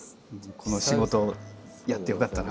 この仕事やってよかったなあ。